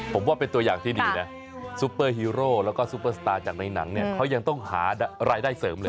ผมว่าเป็นตัวอย่างที่ดีนะซุปเปอร์ฮีโร่แล้วก็ซุปเปอร์สตาร์จากในหนังเนี่ยเขายังต้องหารายได้เสริมเลย